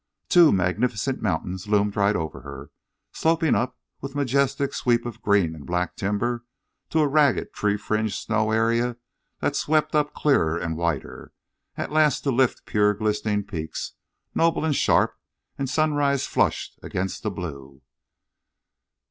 Two magnificent mountains loomed right over her, sloping up with majestic sweep of green and black timber, to a ragged tree fringed snow area that swept up cleaner and whiter, at last to lift pure glistening peaks, noble and sharp, and sunrise flushed against the blue.